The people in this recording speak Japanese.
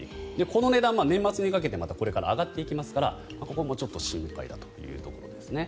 この値段は年末にかけて上がっていきますからここも心配だというところですね